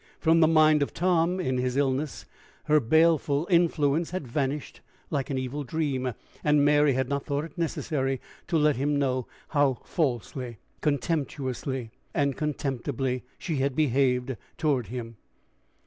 From the mind of Tom, in his illness, her baleful influence had vanished like an evil dream, and Mary had not thought it necessary to let him know how falsely, contemptuously, and contemptibly, she had behaved toward him.